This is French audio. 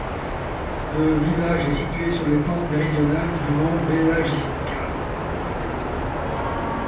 Le village est situé sur les pentes méridionales du mont Bjelašnica.